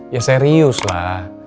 ya serius lah